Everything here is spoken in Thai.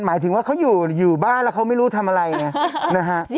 หมายถึงว่าเขาอยู่บ้านแล้วเขาไม่รู้ทำอะไรไงนะฮะ